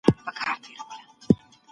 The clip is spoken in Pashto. موږ بايد د سياست په اړه فکر وکړو.